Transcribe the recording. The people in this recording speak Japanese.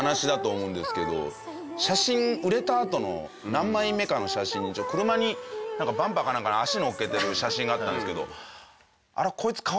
写真売れたあとの何枚目かの写真車にバンパーかなんかに足のっけてる写真があったんですけど。